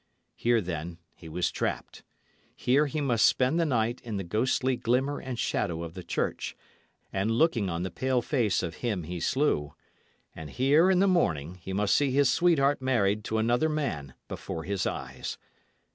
Here, then, he was trapped. Here he must spend the night in the ghostly glimmer and shadow of the church, and looking on the pale face of him he slew; and here, in the morning, he must see his sweetheart married to another man before his eyes.